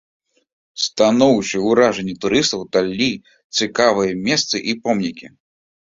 Станоўчыя ўражанні турыстаў далі цікавыя месцы і помнікі.